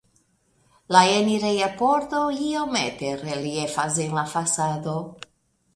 La enireja pordo iomete reliefas en la fasado.